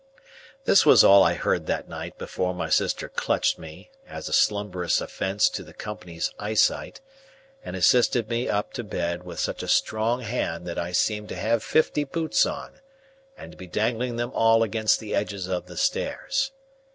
This was all I heard that night before my sister clutched me, as a slumberous offence to the company's eyesight, and assisted me up to bed with such a strong hand that I seemed to have fifty boots on, and to be dangling them all against the edges of the stairs.